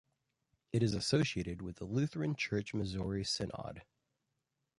It is associated with the Lutheran Church Missouri Synod.